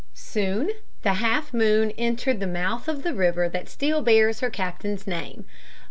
Soon the Half Moon entered the mouth of the river that still bears her captain's name.